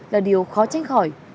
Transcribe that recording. là điều khó tránh khỏi